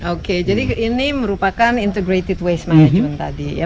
oke jadi ini merupakan integrated waste management tadi ya